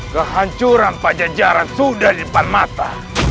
kehancuran pajajaran sudah di depan mata